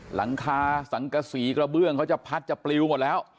หลังคาสังกษีกระเบื้องเขาจะพัดจะปลิวหมดแล้ว